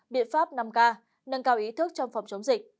biện pháp năm k nâng cao ý thức trong phòng chống dịch